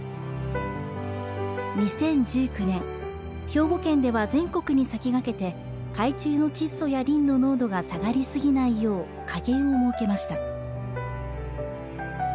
２０１９年、兵庫県では全国に先駆けて海中の窒素やリンの濃度が下がりすぎないよう下限を設けました。